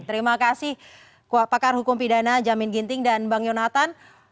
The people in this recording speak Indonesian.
terima kasih pakar hukum pidana jamin ginting dan bang yonatan